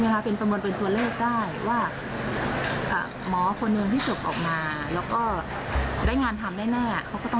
เขาจะมีรายละเอียดภาดตอบแทนเท่าไหร่